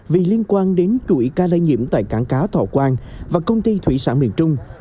vì liên quan đến chuỗi ca lây nhiễm tại cảng cá thọ quang và công ty thủy sản miền trung